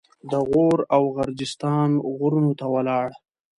د غور او غرجستان غرونو ته ولاړ.